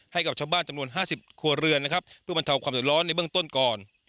ให้กับชาวบ้านจำนวน๕๐ครัวเรือนที่มันเท่าความสุดร้อนในเบื้องต้นก่อน